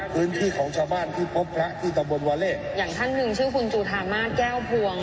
พื้นที่ของชาวบ้านที่พบพระที่ตำบลวาเล่อย่างท่านหนึ่งชื่อคุณจุธามาสแก้วพวง